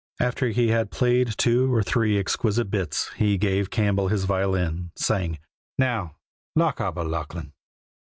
After he had played two or three exquisite bits he gave Campbell his violin, saying, "Now, 'Lochaber,' Lachlan."